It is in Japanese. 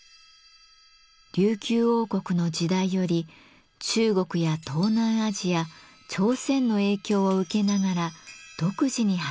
琉球王国の時代より中国や東南アジア朝鮮の影響を受けながら独自に発展しました。